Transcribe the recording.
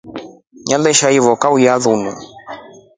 Nasha hiyo kaukya linu.